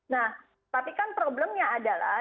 nah tapi kan problemnya adalah